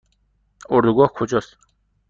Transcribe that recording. اردوگاه کجا است؟